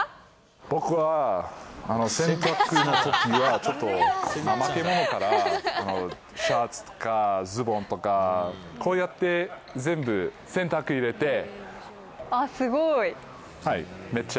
僕は洗濯のときはちょっと、なまけものだから、シャツとかズボンとか、こうやって全部洗濯入あっ、すごーい。